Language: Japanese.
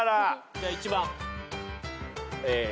じゃあ１番。